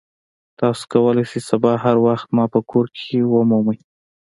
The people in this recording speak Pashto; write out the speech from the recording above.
تاسو کولی شئ سبا هر وخت ما په کور کې ومومئ